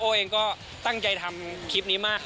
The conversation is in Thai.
เองก็ตั้งใจทำคลิปนี้มาก